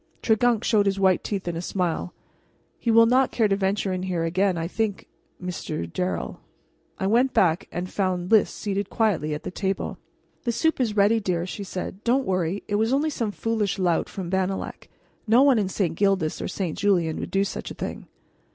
Tregunc showed his white teeth in a smile. "He will not care to venture in here again, I think, Monsieur Darrel." I went back and found Lys seated quietly at the table. "The soup is ready, dear," she said. "Don't worry; it was only some foolish lout from Bannalec. No one in St. Gildas or St. Julien would do such a thing."